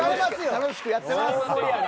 楽しくやってます。